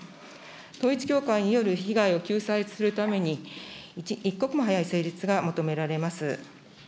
統一教会による被害を救済するために一刻も早い成立が求められます。